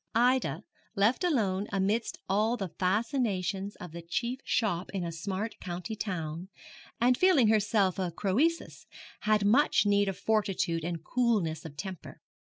Ida, left alone amidst all the fascinations of the chief shop in a smart county town, and feeling herself a Croesus, had much need of fortitude and coolness of temper.